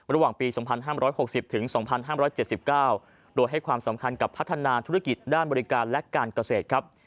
ระหว่างปี๒๕๖๐ถึง๒๕๗๙โดยให้ความสำคัญกับพัฒนาธุรกิจด้านบริการและการเกษตรครับ